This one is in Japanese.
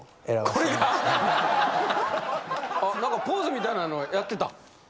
ポーズみたいなのをやってた？